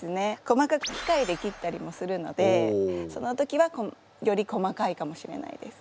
細かく機械で切ったりもするのでその時はより細かいかもしれないです。